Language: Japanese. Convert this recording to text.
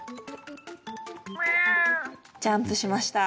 ジャンプしました。